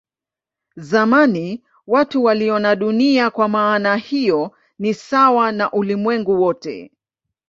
Zamani watu waliona Dunia kwa maana hiyo ni sawa na ulimwengu wote.